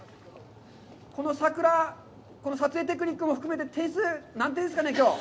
この桜、この撮影テクニックも含めて、点数、何点ですかね、きょう。